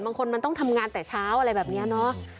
บางคนมันต้องทำงานแต่เช้าอะไรแบบนี้เนอะ